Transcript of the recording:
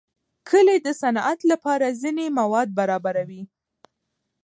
کلي د صنعت لپاره ځینې مواد برابروي.